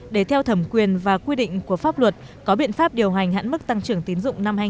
để theo thẩm quyền và quy định của pháp luật có biện pháp điều hành hạn mức tăng trưởng tiến dụng